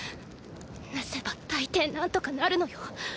なせば大抵なんとかなるのよ。